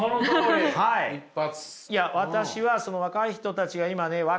一発。